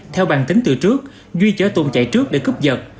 theo bằng tính từ trước duy chở tùng chạy trước để cướp giật